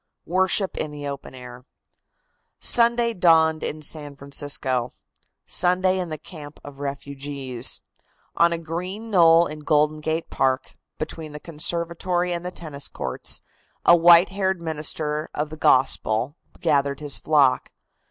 WORSHIP IN THE OPEN AIR. Sunday dawned in San Francisco; Sunday in the camp of the refugees. On a green knoll in Golden Gate Park, between the conservatory and the tennis courts, a white haired minister of the Gospel gathered his flock.